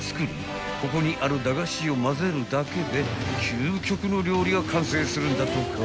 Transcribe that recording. ここにある駄菓子をまぜるだけで究極の料理が完成するんだとか］